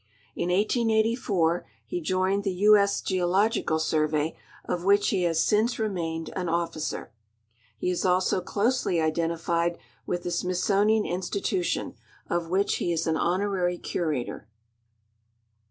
In 1884 he joined the U. S. Geological Survey, of which he has since re mained an otiicer. He is also closely identified with the Smithsonian Institution, of which he is an honorary curator.